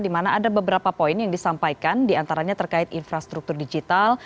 di mana ada beberapa poin yang disampaikan diantaranya terkait infrastruktur digital